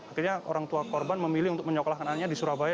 akhirnya orang tua korban memilih untuk menyokolahkan anaknya di surabaya